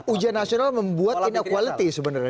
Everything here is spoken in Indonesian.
ujian nasional membuat inequality sebenarnya